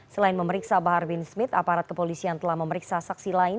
selain memeriksa bahar bin smith aparat kepolisian telah memeriksa saksi lain